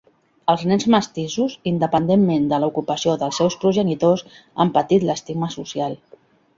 Els nens mestissos, independentment de l'ocupació dels seus progenitors, han patit l'estigma social.